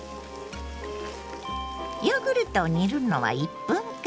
ヨーグルトを煮るのは１分間。